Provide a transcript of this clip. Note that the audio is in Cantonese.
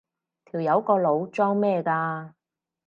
條友個腦裝咩㗎？